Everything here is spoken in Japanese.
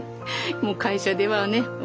もう会社ではね